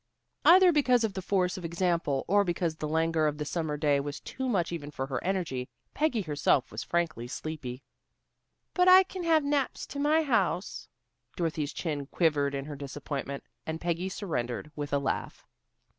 Either because of the force of example, or because the languor of the summer day was too much even for her energy, Peggy herself was frankly sleepy. "But I can have naps to my house." Dorothy's chin quivered in her disappointment, and Peggy surrendered with a laugh.